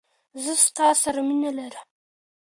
زه تاسره مینه لرم